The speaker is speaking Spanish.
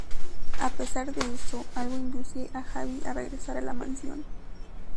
A pesar de eso, algo induce a Javi a regresar a la Mansión.